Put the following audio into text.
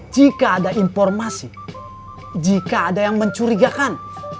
jika ada informasi jika ada yang mencurigakan